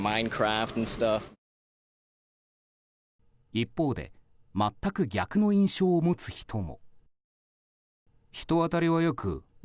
一方で全く逆の印象を持つ人も。